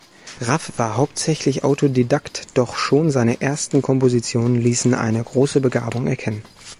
Raff war hauptsächlich Autodidakt, doch schon seine ersten Kompositionen ließen eine große Begabung erkennen.